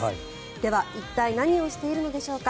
では、一体何をしているのでしょうか。